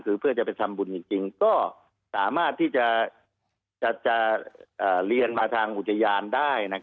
คือเพื่อจะไปทำบุญจริงก็สามารถที่จะเรียนมาทางอุทยานได้